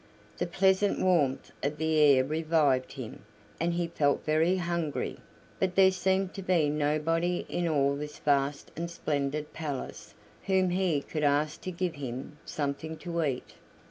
The pleasant warmth of the air revived him, and he felt very hungry; but there seemed to be nobody in all this vast and splendid palace whom he could ask to give him something to eat.